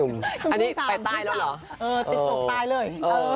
เออติดปลูกตายเลย